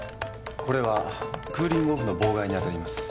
これはクーリングオフの妨害にあたります。